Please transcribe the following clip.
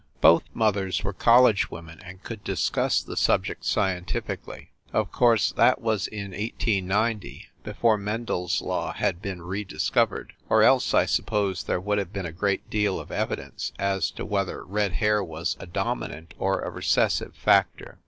Both mothers were college women, and could discuss the subject scientifically. Of course that was in 1890, before Mendel s law had been re discovered, or else, I suppose there would have been a great deal of evi dence as to whether red hair was a dominant or a recessive factor.